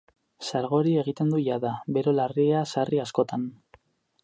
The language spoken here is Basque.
Sargori egiten du jada, bero larria sarri askotan.